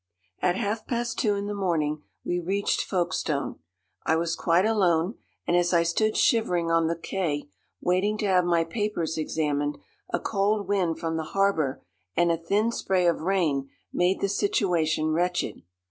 "At half past two in the morning we reached Folkestone. I was quite alone, and as I stood shivering on the quay waiting to have my papers examined a cold wind from the harbour and a thin spray of rain made the situation wretched.